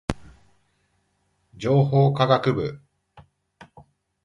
情報科学部